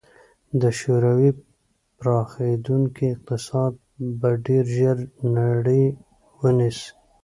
د شوروي پراخېدونکی اقتصاد به ډېر ژر نړۍ ونیسي.